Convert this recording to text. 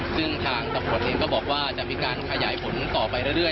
ซึ่งทางตำรวจเองก็บอกว่าจะมีการขยายผลต่อไปเรื่อย